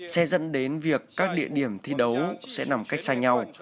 sẽ dẫn đến việc các địa điểm thi đấu sẽ nằm cách xa nhau